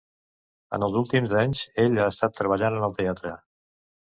En els últims anys, ell ha estat treballant en el teatre.